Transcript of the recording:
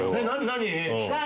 何？